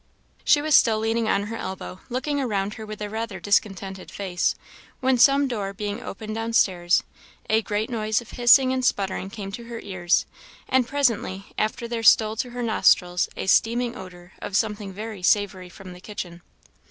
She was still leaning on her elbow, looking around her with a rather discontented face, when some door being opened down stairs, a great noise of hissing and sputtering came to her ears, and presently after there stole to her nostrils a steaming odour of something very savoury from the kitchen.